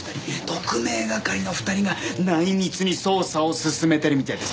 特命係の２人が内密に捜査を進めてるみたいです。